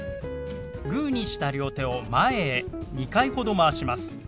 グーにした両手を前へ２回ほどまわします。